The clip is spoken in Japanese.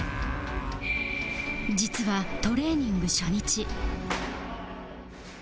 実はトレーニング初日